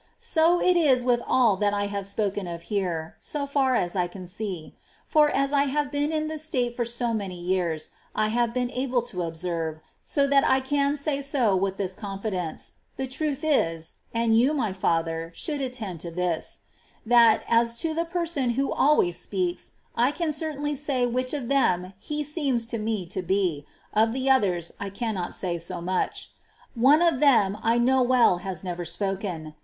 So is it with all that I have spoken of here, so far as I can see ; for, as I have been in this state for so many years, I have been able to observe, so that I can say so with this confidence. The truth is, — and you, my father, ' Life, ch, xvii. § 9. REL. VIII.] OF HER SPIRITUAL STATE. 429 should attend to this, — that, as to the Person who always speaks, I can certainly say which of Them He seems to me to be ; of the others I cannot say so much. One of Them I know well has never spoken.